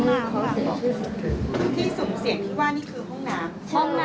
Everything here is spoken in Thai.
ที่สุ่มเสี่ยงคิดว่านี่คือห้องน้ำ